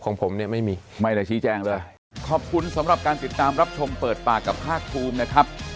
ของผมเนี่ยไม่มี